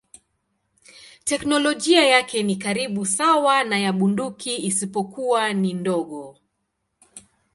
Teknolojia yake ni karibu sawa na ya bunduki isipokuwa ni ndogo.